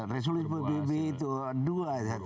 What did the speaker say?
resolusi pbb itu dua